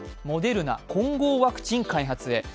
モデルナ、混合ワクチン開発へ。